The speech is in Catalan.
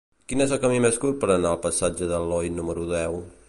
Quin és el camí més curt per anar al passatge d'Aloi número deu?